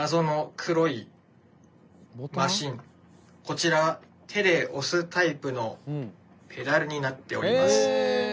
こちら手で押すタイプのペダルになっております。